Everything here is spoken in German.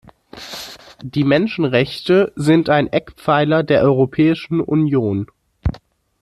Die Menschenrechte sind ein Eckpfeiler der Europäischen Union.